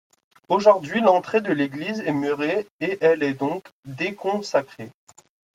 Aujourd'hui l'entrée de l'église est murée et elle est donc déconsacrée.